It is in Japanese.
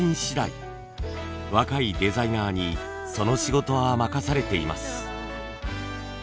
若いデザイナーにその仕事は任されています。